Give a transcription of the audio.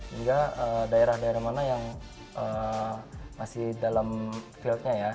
hingga daerah daerah mana yang masih dalam field nya ya